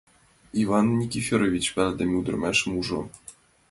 Иван Никифорович палыдыме ӱдырамашым ужо.